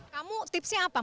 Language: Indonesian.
kamu tipsnya apa